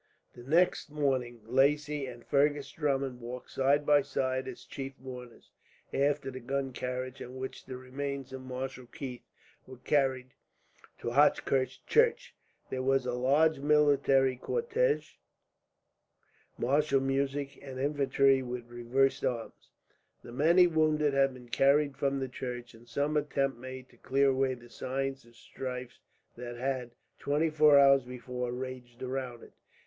The next morning, Lacy and Fergus Drummond walked side by side, as chief mourners, after the gun carriage on which the remains of Marshal Keith were carried to Hochkirch church. There was a large military cortege, martial music, and infantry with reversed arms. The many wounded had been carried from the church, and some attempt made to clear away the signs of the strife that had, twenty four hours before, raged around it.